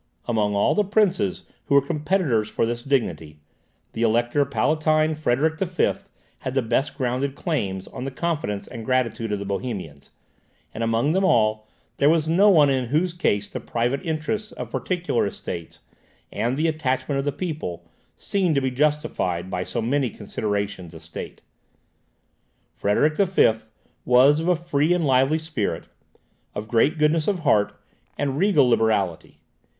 Among all the princes who were competitors for this dignity, the Elector Palatine Frederick V. had the best grounded claims on the confidence and gratitude of the Bohemians; and among them all, there was no one in whose case the private interests of particular Estates, and the attachment of the people, seemed to be justified by so many considerations of state. Frederick V. was of a free and lively spirit, of great goodness of heart, and regal liberality.